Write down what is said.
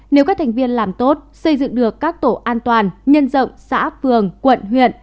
nếu các thành viên làm tốt xây dựng được các tổ an toàn nhân rộng xã phường quận huyện